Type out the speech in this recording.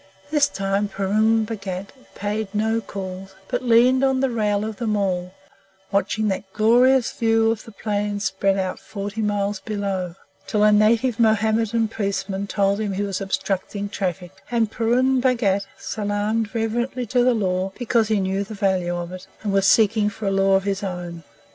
This time Purun Bhagat paid no calls, but leaned on the rail of the Mall, watching that glorious view of the Plains spread out forty miles below, till a native Mohammedan policeman told him he was obstructing traffic; and Purun Bhagat salaamed reverently to the Law, because he knew the value of it, and was seeking for a Law of his own.